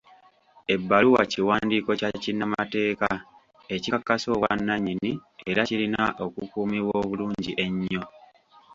Ebbaluwa kiwandiiko kya kinnamateeka ekikakasa obwanannyini era kirina okukuumibwa obulungi ennyo.